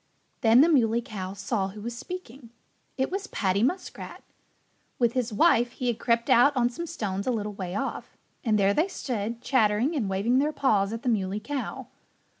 Then the Muley Cow saw who was speaking. It was Paddy Muskrat. With his wife he had crept out on some stones a little way off. And there they stood, chattering and waving their paws at the Muley Cow.